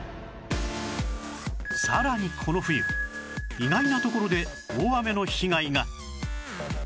さらにこの冬意外なところで大雨の被害が